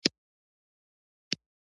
الوتکه د اسمان لور ته خېژي.